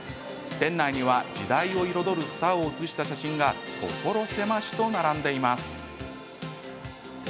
店内には時代を彩るスターを写した写真が所狭しと並んでいます。